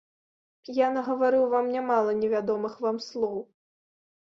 Я нагаварыў вам нямала невядомых вам слоў.